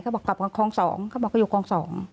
เขาบอกกลับกันคลอง๒เขาบอกว่าอยู่คลอง๒